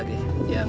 ya udah diikat lagi